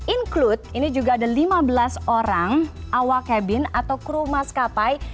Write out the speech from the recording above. include ini juga ada lima belas orang awak cabin atau kru maskapai